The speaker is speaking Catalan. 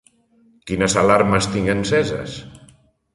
Quines alarmes tinc enceses?